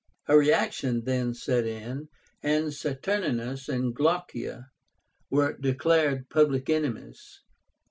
A reaction then set in, and Saturnínus and Glaucia were declared public enemies.